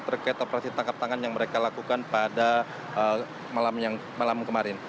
terkait operasi tangkap tangan yang mereka lakukan pada malam kemarin